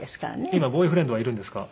今ボーイフレンドはいるんですか？